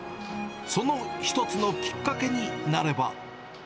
その一つのきっかけになれば。